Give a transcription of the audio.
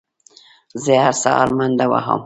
زه هره سهار منډه وهم